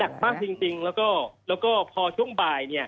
มากจริงแล้วก็พอช่วงบ่าย